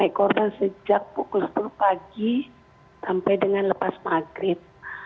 pemikiran sejak pukul sepuluh pagi sampai dengan lepas maghrib